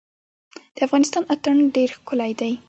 د افغانستان اتن ډیر ښکلی دی